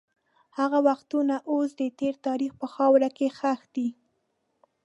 هغه وختونه اوس د تېر تاریخ په خاوره کې ښخ دي.